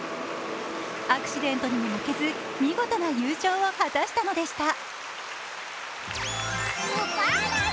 アクシデントにも負けず見事な優勝を果たしたのでした。